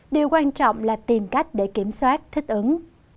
điều quan trọng là tìm cách để kiểm soát thích ứng